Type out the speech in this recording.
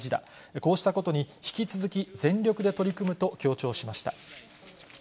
こうしたことに引き続き、全力で取り組むと強調しました。